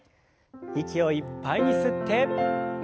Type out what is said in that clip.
息をいっぱいに吸って。